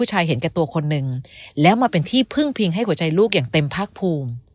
เห็นแก่ตัวคนหนึ่งแล้วมาเป็นที่พึ่งพิงให้หัวใจลูกอย่างเต็มภาคภูมิ